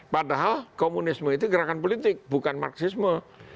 padahal komunisme itu gerakan politik bukan marxisme